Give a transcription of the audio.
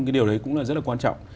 cái điều đấy cũng là rất là quan trọng